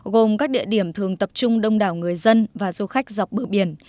gồm các địa điểm thường tập trung đông đảo người dân và du khách dọc bờ biển